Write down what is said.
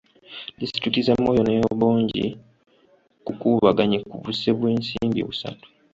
Disitulikiti za Moyo ne Obongi kukuubaganye ku buse bw'ensimbi busatu.